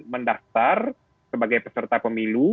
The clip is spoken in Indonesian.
mendaftar sebagai peserta pemilu